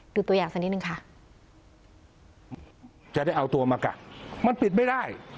ตัวอย่างสักนิดนึงค่ะจะได้เอาตัวมากัดมันปิดไม่ได้